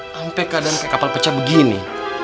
sampai keadaan kayak kapal pecah begini